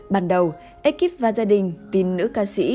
ban đầu ekip và gia đình tin nữ ca sĩ